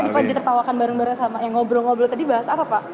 apa tadi pak di terpawakan bareng bareng sama yang ngobrol ngobrol tadi bahasa apa pak